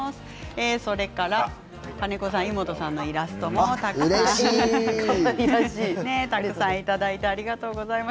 金子さん、イモトさんのイラストもたくさんいただいてありがとうございます。